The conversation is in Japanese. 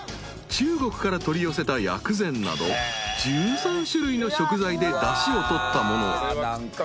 中国から取り寄せた薬膳など１３種類の食材でだしを取ったもの］